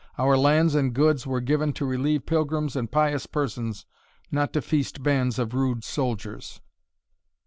Our lands and goods were given to relieve pilgrims and pious persons, not to feast bands of rude soldiers."